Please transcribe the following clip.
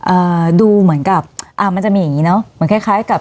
อ่าดูเหมือนกับอ่ามันจะมีอย่างงี้เนอะเหมือนคล้ายคล้ายกับ